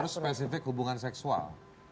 harus spesifik hubungan seksual